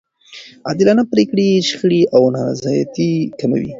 عادلانه پرېکړې شخړې او نارضایتي کموي.